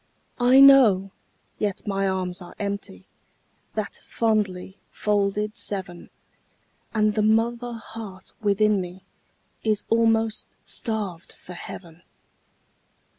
I know, yet my arms are empty, That fondly folded seven, And the mother heart within me Is almost starved for heaven.